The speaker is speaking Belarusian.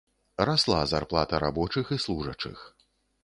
Расла зарплата рабочых і служачых.